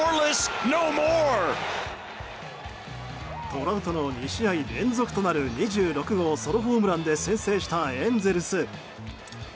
トラウトの２試合連続となる２６号ソロホームランで先制したエンゼルス。